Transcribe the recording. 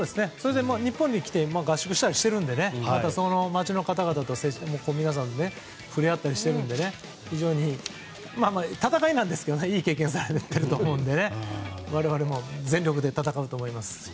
日本に来て合宿をしているのでそのまま街の方々と触れ合ったりしているので戦いですけど、いい経験をされていると思いますから我々も全力で戦うと思います。